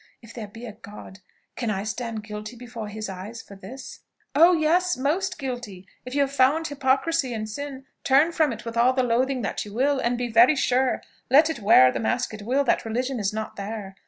If there be a God, can I stand guilty before his eyes for this?" "Oh yes! most guilty! If you have found hypocrisy and sin, turn from it with all the loathing that you will; and be very sure, let it wear what mask it will, that religion is not there.